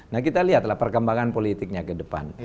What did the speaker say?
nah kita lihatlah perkembangan politiknya ke depan